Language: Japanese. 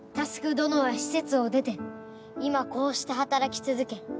どのは施設を出て今こうして働き続け